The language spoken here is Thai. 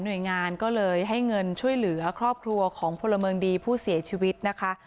โดยงานก็เลยให้เงินช่วยเหลือครอบครัวของพลเมืองดีผู้เสียชีวิตนะคะ